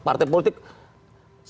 partai politik sebagai organisasi